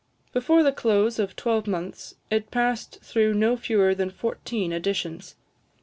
Before the close of twelvemonths, it passed through no fewer than fourteen editions.